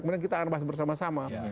kemudian kita akan bahas bersama sama